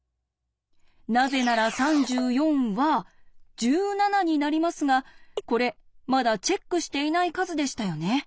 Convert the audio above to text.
なぜなら３４は１７になりますがこれまだチェックしていない数でしたよね。